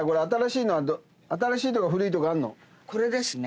これですね。